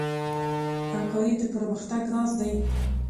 همکاري د پرمختګ راز دی.